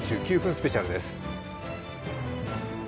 スペシャルです。